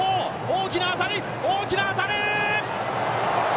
大きな当たり、大きな当たり！